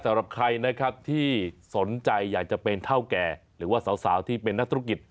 สำหรับใครนะครับที่สนใจอยากจะเป็นเท่าแก่หรือว่าสาวที่เป็นนักธุรกิจ